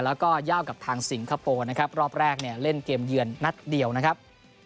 แล้วก็ย่าวกับทางสิงคโปร์นะครับรอบแรกเนี่ยเล่นเกมเยือนนัดเดียวนะครับ